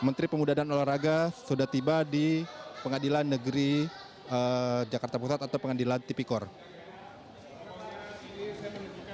menteri pemuda dan olahraga sudah tiba di pengadilan negeri jakarta pusat atau pengadilan tipikor